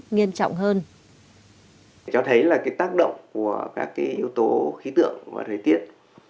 nghiêm trọng hơn